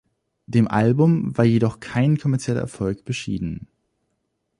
Dem Album war jedoch kein kommerzieller Erfolg beschieden.